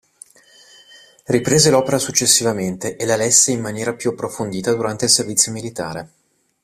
Riprese l'opera successivamente e la lesse in maniera più approfondita durante il servizio militare.